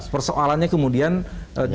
persoalannya kemudian justru ini